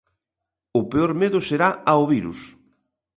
O peor medo será ao virus.